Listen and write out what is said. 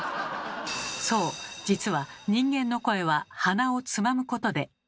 そう実は人間の声は鼻をつまむことで。